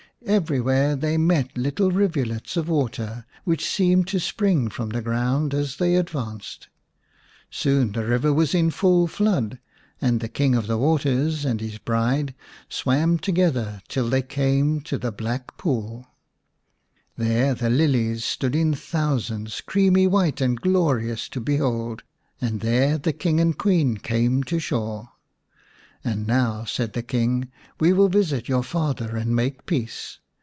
Every where they met little rivulets of water, w^hich seemed to spring from the ground as they advanced. Soon the river was in full flood ; and the King of the Waters and his bride swam together till they came to the Black Pool. 113 i The Serpent's Bride ix There the lilies stood in thousands, creamy white and glorious to behold, and there the King and Queen came to shore. " And now," said the King, " we will visit your father and make peace.